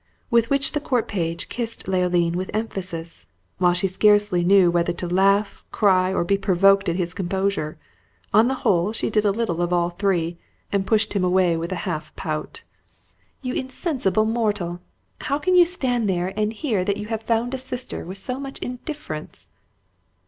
With which the court page kissed Leoline with emphasis, while she scarcely knew whether to laugh, cry, or be provoked at his composure. On the whole, she did a little of all three, and pushed him away with a halt pout. "You insensible mortal! How can you stand there and hear that you have found a sister with so much indifference?"